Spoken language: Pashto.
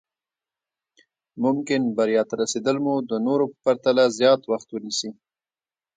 ممکن بريا ته رسېدل مو د نورو په پرتله زیات وخت ونيسي.